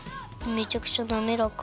めちゃくちゃなめらか！